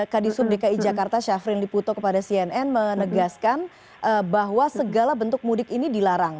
kadisub dki jakarta syafrin liputo kepada cnn menegaskan bahwa segala bentuk mudik ini dilarang